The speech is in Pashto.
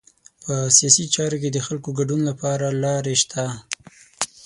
په سیاسي چارو کې د خلکو د ګډون لپاره لارې شته.